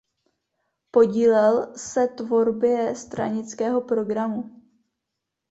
Podílel se tvorbě stranického programu.